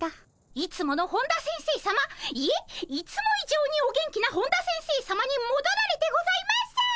いつもの本田先生さまいえいつも以上にお元気な本田先生さまにもどられてございます。